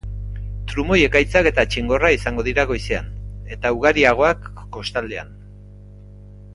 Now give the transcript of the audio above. Trumoi-ekaitzak eta txingorra izango dira goizean eta ugariagoak kostaldean.